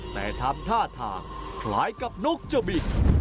แต่ทำท่าทางคล้ายกับนกจบิก